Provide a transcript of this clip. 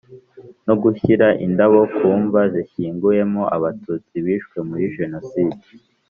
no gushyira indabo ku mva zishyinguyemo Abatutsi bishwe muri Jenoside